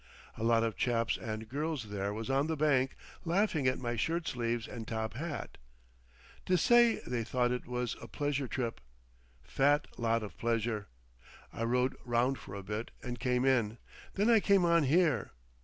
A lot of chaps and girls there was on the bank laughed at my shirt sleeves and top hat. Dessay they thought it was a pleasure trip. Fat lot of pleasure! I rowed round for a bit and came in. Then I came on here.